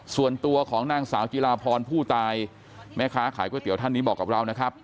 ส่วนตัวของนางสาวจิลาพรผู้ตายแม่ค้าขายก๋วยเตี๋ยวท่านนี้บอกกับเรานะครับ